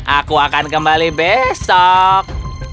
aku akan kembali besok